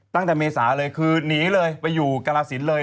เมษาเลยคือหนีเลยไปอยู่กรสินเลย